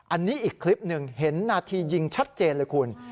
อันนี้อีกคลิปหนึ่งเห็นนาทียิงชัดเจนเลยคุณ